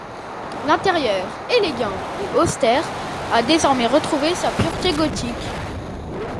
L'intérieur élégant et austère a désormais retrouvé sa pureté gothique.